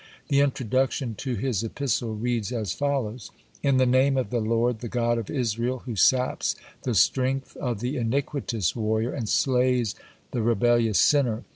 The introduction to his epistle reads as follows: "In the Name of the Lord, the God of Israel, who saps the strength of the iniquitous warrior, and slays the rebellious sinner.